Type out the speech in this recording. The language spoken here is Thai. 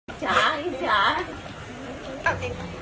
อีจ๋าอีจ๋า